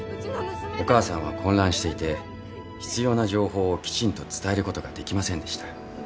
お母さんは混乱していて必要な情報をきちんと伝えることができませんでした。